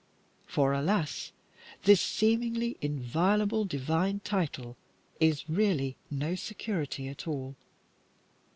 For, alas! this seemingly inviolable divine title is really no security at all.